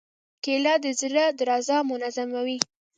کېله د زړه درزا منظموي.